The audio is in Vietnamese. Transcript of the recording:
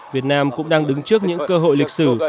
việt nam cũng đang đứng trước những cơ hội lịch sử